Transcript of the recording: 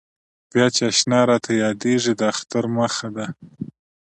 بیا چې اشنا راته یادېږي د اختر مخه ده.